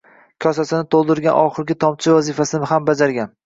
kosasini to‘ldirgan oxirgi tomchi vazifasini ham bajargan.